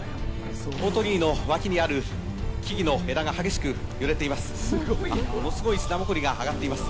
大鳥居の脇にある木々の枝が激しく揺れています。